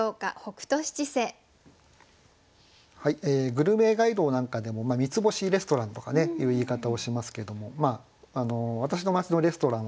グルメガイドなんかでも三つ星レストランとかいう言い方をしますけども私の町のレストランは七つ星だと。